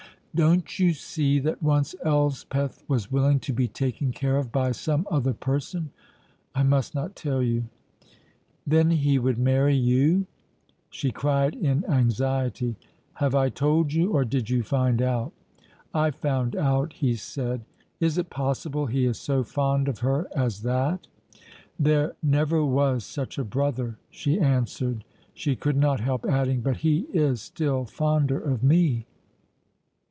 "Don't you see that once Elspeth was willing to be taken care of by some other person I must not tell you!" "Then he would marry you?" She cried in anxiety: "Have I told you, or did you find out?" "I found out," he said. "Is it possible he is so fond of her as that?" "There never was such a brother," she answered. She could not help adding, "But he is still fonder of me."